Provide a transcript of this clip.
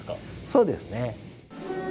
そうですね。